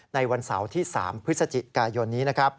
ในวันเสาร์ที่๓พฤศจิกายนนี้